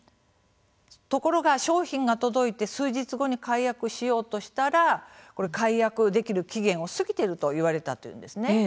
ところが商品が届いて数日後に解約をしようとしたら解約できる期限を過ぎているといわれたというんですね。